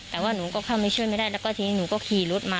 แต่ว่าหนูก็เข้าไปช่วยไม่ได้แล้วก็ทีนี้หนูก็ขี่รถมา